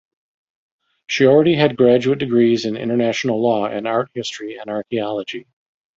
She already had graduate degrees in International Law and Art History and Archaeology.